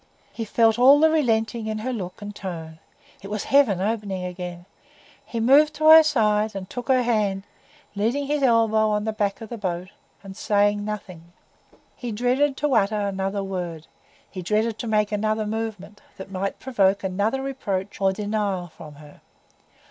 He felt all the relenting in her look and tone; it was heaven opening again. He moved to her side, and took her hand, leaning his elbow on the back of the boat, and saying nothing. He dreaded to utter another word, he dreaded to make another movement, that might provoke another reproach or denial from her.